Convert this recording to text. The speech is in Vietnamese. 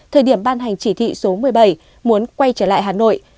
thời điểm ban hành chỉ thị số một mươi bảy muốn quay trở lại hà nội